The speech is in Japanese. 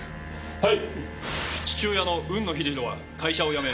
はい！